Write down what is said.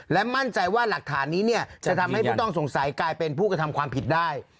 และมั่นใจว่าหลักฐานนี้เนี่ยจะทำให้ผู้ต้องสงสัยกลายเป็นผู้กระทำความผิดได้